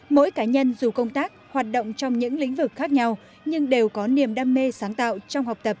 mỗi cá nhân dù công tác hoạt động trong những lĩnh vực khác nhau nhưng đều có niềm đam mê sáng tạo trong học tập